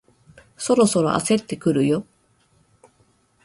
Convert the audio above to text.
そろそろ焦ってくるよ